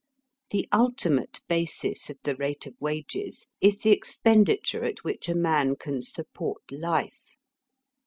The ultimate basis of the rate of wages is the expenditure at which a man can support life.